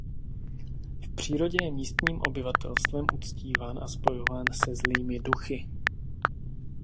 V přírodě je místním obyvatelstvem uctíván a spojován se zlými duchy.